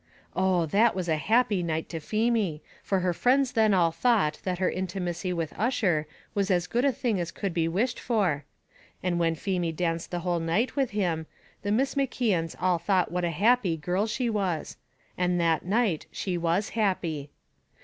Oh! that was a happy night to Feemy, for her friends then all thought that her intimacy with Ussher was as good a thing as could be wished for; and when Feemy danced the whole night with him, the Miss McKeons all thought what a happy girl she was; and that night she was happy.